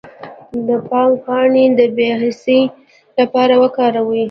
د بنګ پاڼې د بې حسی لپاره وکاروئ